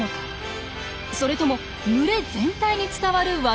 それとも群れ全体に伝わる技なのか？